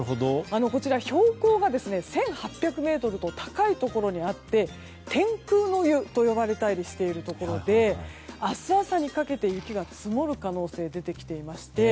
こちら標高が１８００ｍと高いところにあって天空の湯と呼ばれたりしているところで明日朝にかけて雪が積もる可能性が出てきていまして。